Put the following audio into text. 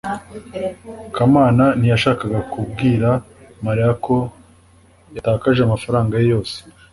kamana ntiyashakaga kubwira mariya ko yatakaje amafaranga ye yose